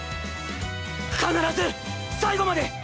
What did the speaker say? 必ず最後まで！